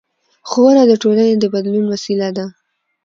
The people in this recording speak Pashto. ښوونه د ټولنې د بدلون وسیله ده